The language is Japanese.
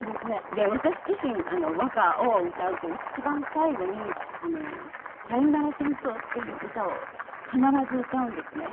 で私自身和歌を歌うと一番最後に『サヨナラ戦争』っていう歌を必ず歌うんですね。